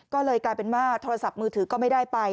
ก็เลยกลายเป็นว่าโทรศัพท์มือถือก็ไม่ได้ไป